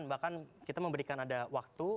bahkan kita memberikan ada waktu